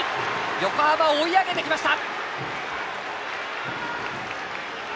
横浜、追い上げてきました！